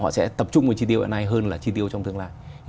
họ sẽ tập trung vào chi tiêu hiện nay hơn là chi tiêu trong tương lai